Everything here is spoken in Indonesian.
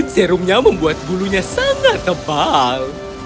serumnya membuat bulunya sangat tebal